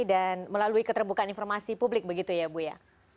dan melalui keterbukaan informasi publik begitu ya bu ya